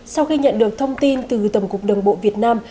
sau khi nhận được thông tin từ tổng cục đường bộ việt nam